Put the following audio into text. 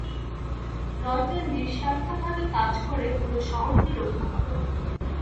নয়তো নিঃস্বার্থভাবে কাজ করে পুরো শহরকে রক্ষা কর।